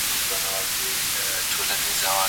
زه بايد سبزیحات جمع کړم؟!